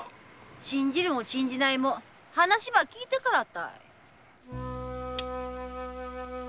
信じるも信じないも話ば聞いてからたい。